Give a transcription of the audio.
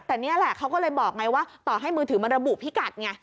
แต่นี่แหละเขาก็เลยบอกไงว่าต่อให้มือถือมันระบุพิกัดไง